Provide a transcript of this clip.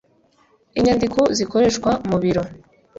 inyandiko zikoreshwa mu biro.